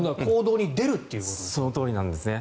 そのとおりなんですね。